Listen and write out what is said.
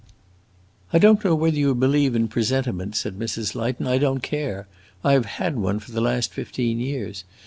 "I don't know whether you believe in presentiments," said Mrs. Light, "and I don't care! I have had one for the last fifteen years.